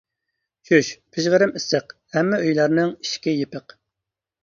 چۈش، پىژغىرىم ئىسسىق، ھەممە ئۆيلەرنىڭ ئىشىكى يېپىق.